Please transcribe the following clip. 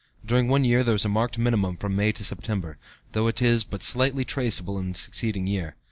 During one year there is a marked minimum from May to September, though it is but slightly traceable in the succeeding year.